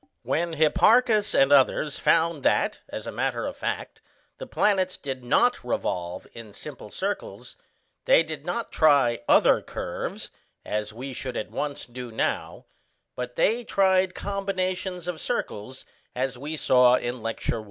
When Hipparchus and others found that, as a matter of fact, the planets did not revolve in simple circles, they did not try other curves, as we should at once do now, but they tried combinations of circles, as we saw in Lecture I.